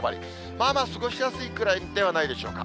まあまあ過ごしやすいくらいではないでしょうか。